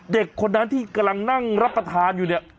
เด็กคนนั้นที่กำลังนั่งรับประทานอยู่เนี่ย